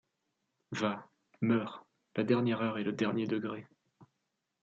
Va ! meurs ! la dernière heure est le dernier degré.